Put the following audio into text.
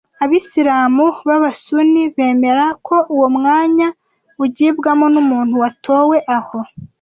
Abisilamu b’Abasuni bemera ko uwo mwanya ugibwamo n’umuntu watowe aho